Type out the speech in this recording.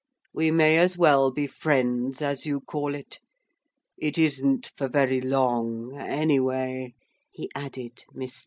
We may as well be friends, as you call it. It isn't for very long, anyway,' he added mysteriously.